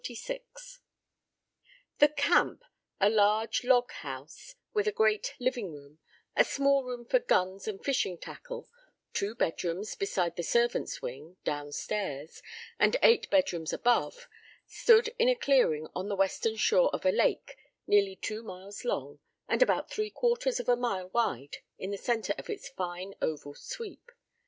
XLVI The "camp," a large log house, with a great living room, a small room for guns and fishing tackle, two bedrooms, besides the servants' wing, downstairs, and eight bedrooms above, stood in a clearing on the western shore of a lake nearly two miles long, and about three quarters of a mile wide in the centre of its fine oval sweep.